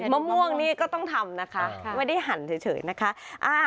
มะม่วงนี่ก็ต้องทำนะคะไม่ได้หั่นเฉยนะคะ